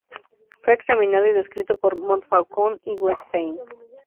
Fue examinado y descrito por Montfaucon y Wettstein.